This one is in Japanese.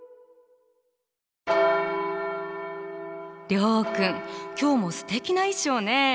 諒君今日もすてきな衣装ね！